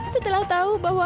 setelah tahu bahwa